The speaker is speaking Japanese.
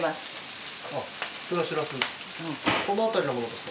この辺りのものですか？